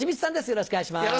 よろしくお願いします。